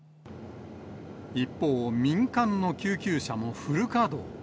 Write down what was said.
一方、民間の救急車もフル稼働。